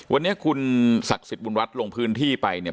วันนี้คุณศักดิ์สิทธิ์บุญวัฒน์ลงพื้นที่ไปเนี่ย